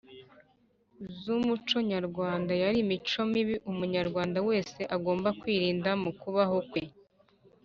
Z’umuconyarwanda yari imico mibi umunyarwanda wese agomba kwirinda mu kubaho kwe